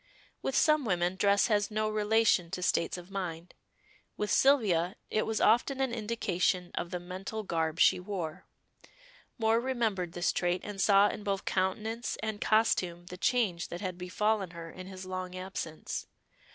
With some women dress has no relation to states of mind; with Sylvia it was often an indication of the mental garb she wore. Moor remembered this trait, and saw in both countenance and costume the change that had befallen her in his long absence.